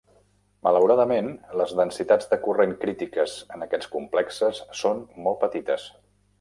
Malauradament, les densitats de corrent crítiques en aquests complexes són molt petites.